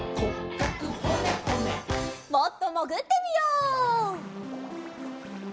もっともぐってみよう。